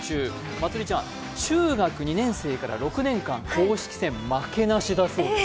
まつりちゃん、中学２年生から６年間、公式戦負けなしだそうです。